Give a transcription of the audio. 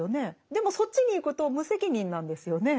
でもそっちに行くと無責任なんですよね？